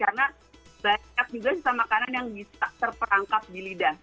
karena banyak juga sisa makanan yang bisa terperangkap di lidah